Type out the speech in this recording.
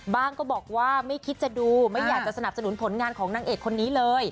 ก็บอกว่าไม่คิดจะดูไม่อยากจะสนับสนุนผลงานของนางเอกคนนี้เลย